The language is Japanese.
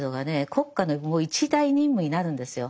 国家のもう一大任務になるんですよ。